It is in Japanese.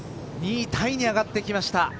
２位タイに上がってきました。